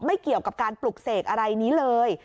ไม่เกี่ยวกับการปลุกเสกอะไรนี้เลย